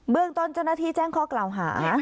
เรื่องต้นเจ้าหน้าที่แจ้งข้อกล่าวหา